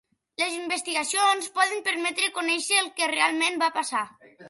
Les investigacions poden permetre conèixer el que realment va passar.